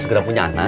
segera punya anak